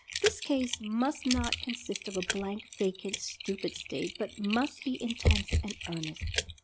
This gaze must not consist of a blank, vacant, stu pid state, but must be intense and earnest.